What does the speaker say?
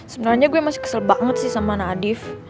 sebenarnya gue masih kesel banget sih sama nadif